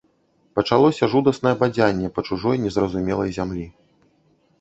Пачалося жудаснае бадзянне па чужой, незразумелай зямлі.